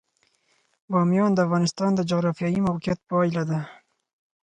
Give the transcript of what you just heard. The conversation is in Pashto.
بامیان د افغانستان د جغرافیایي موقیعت پایله ده.